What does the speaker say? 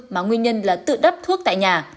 mà nguyên nhân là tự đắp thuốc tại nhà